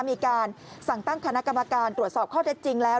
มีการสั่งตั้งคณะกรรมการตรวจสอบข้อเท็จจริงแล้ว